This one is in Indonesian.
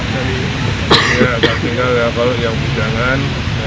tinggal nggak tahu yang bujangan